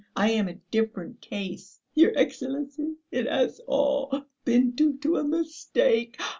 I am a different case. Your Excellency, it has all been due to a mistake!